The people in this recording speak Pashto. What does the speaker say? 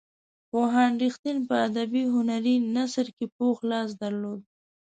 پوهاند رښتین په ادبي هنري نثر کې پوخ لاس درلود.